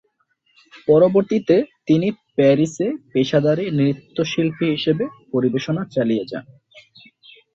পরবর্তীতে তিনি প্যারিসে পেশাদারী নৃত্যশিল্পী হিসেবে পরিবেশনা চালিয়ে যান।